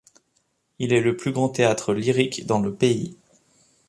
Il est le plus grand théâtre lyrique dans le pays.